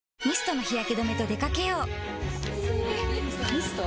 ミスト？